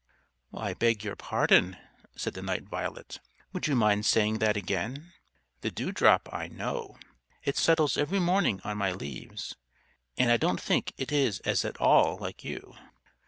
"I beg your pardon," said the Night Violet. "Would you mind saying that again? The dewdrop I know. It settles every morning on my leaves, and I don't think it is at all like you."